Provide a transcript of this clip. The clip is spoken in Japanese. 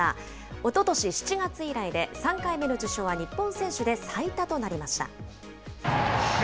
おととし７月以来で、３回目の受賞は日本選手で最多となりました。